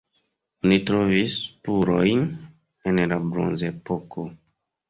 Oni trovis spurojn el la bronzepoko.